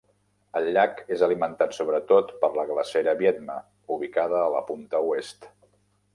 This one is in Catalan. El llac és alimentat sobretot per la Glacera Viedma, ubicada a la punta oest.